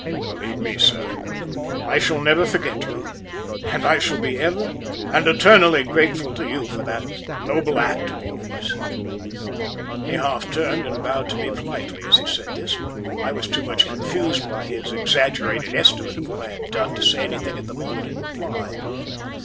Believe me, sir, I shall never forget you, and I shall be ever and eternally grateful to you for that noble act of yours!" He half turned and bowed to me politely as he said this, but I was too much confused, by his exaggerated estimate of what I had done to say anything at the moment in reply.